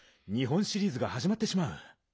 日本シリーズがはじまってしまう。